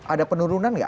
ada penurunan nggak